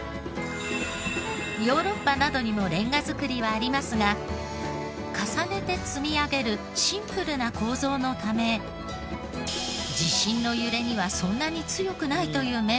ヨーロッパなどにもレンガ造りはありますが重ねて積み上げるシンプルな構造のため地震の揺れにはそんなに強くないという面もあります。